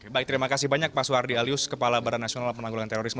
baik terima kasih banyak pak suhardi alius kepala barat nasional penanggulan terorisme